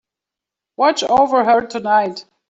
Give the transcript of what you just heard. Watch over her tonight.